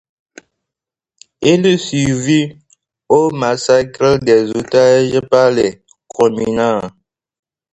Il survit au massacre des otages par les communards.